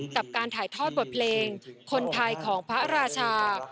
กับการถ่ายทอดบทเพลงคนไทยของพระราชา